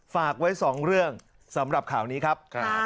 ฝากไว้๒เรื่องสำหรับข่าวนี้ครับ